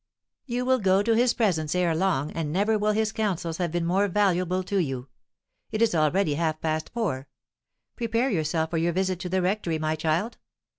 "You will go to his presence ere long, and never will his counsels have been more valuable to you. It is already half past four; prepare yourself for your visit to the rectory, my child.